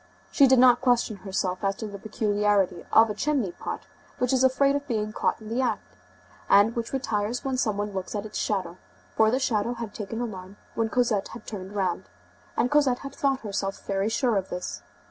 She did not question herself as to the peculiarity of a chimney pot which is afraid of being caught in the act, and which retires when some one looks at its shadow, for the shadow had taken the alarm when Cosette had turned round, and Cosette had thought herself very sure of this.